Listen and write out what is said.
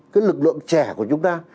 cái lực lượng trẻ của chúng ta